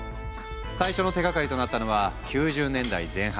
最初の手がかりとなったのは９０年代前半